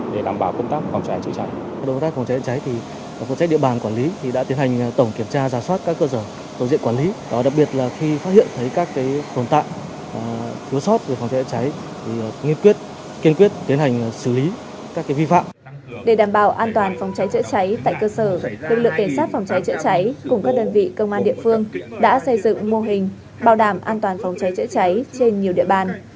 để đảm bảo an toàn phòng cháy trợ cháy tại cơ sở lực lượng cảnh sát phòng cháy trợ cháy cùng các đơn vị công an địa phương đã xây dựng mô hình bảo đảm an toàn phòng cháy trợ cháy trên nhiều địa bàn